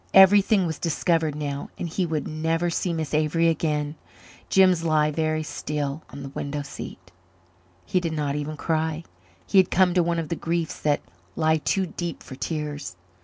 Everything was discovered now and he would never see Miss Avery again. Jims lay very still on the window seat. He did not even cry. He had come to one of the griefs that lie too deep for tears.